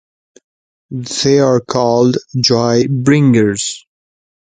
They are called "joy bringers".